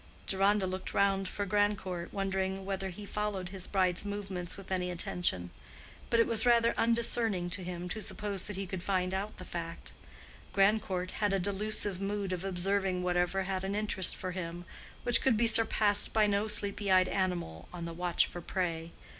Deronda looked around for Grandcourt, wondering whether he followed his bride's movements with any attention; but it was rather undiscerning to him to suppose that he could find out the fact. Grandcourt had a delusive mood of observing whatever had an interest for him, which could be surpassed by no sleepy eyed animal on the watch for prey.